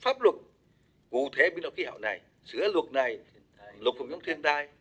pháp luật cụ thể biến đổi khí hậu này sửa luật này luật phòng chống thiền tài